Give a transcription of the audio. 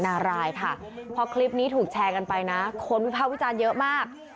นารายค่ะพอคลิปนี้ถูกแชร์กันไปนะคนวิภาควิจารณ์เยอะมาก